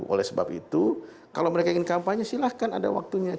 oleh sebab itu kalau mereka ingin kampanye silahkan ada waktunya